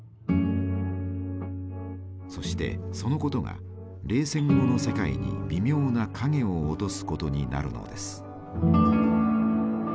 そしてそのことが冷戦後の世界に微妙な影を落とすことになるのです。